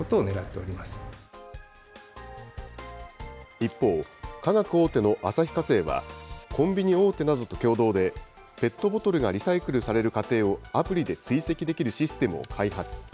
一方、化学大手の旭化成は、コンビニ大手などと共同で、ペットボトルがリサイクルされる過程をアプリで追跡できるシステムを開発。